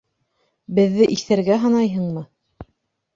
Беҙҙе иҫәргә һанайһыңмы?